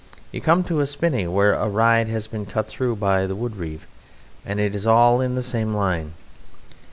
You come to a spinney where a ride has been cut through by the woodreeve, and it is all in the same line.